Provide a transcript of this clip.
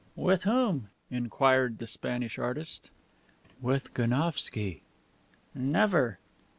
"With whom?" inquired the Spanish artist. "With Gounsovski." "Never."